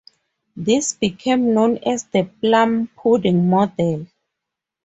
This became known as the plum pudding model.